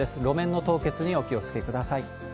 路面の凍結にお気をつけください。